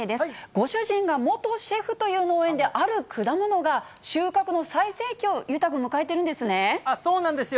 ご主人が元シェフという農園で、ある果物が収穫の最盛期を裕太君、そうなんですよ。